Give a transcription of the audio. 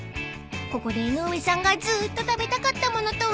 ［ここで江上さんがずっと食べたかった物とは］